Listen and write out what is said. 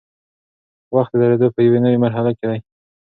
وخت د درېدو په یوې نوي مرحله کې دی.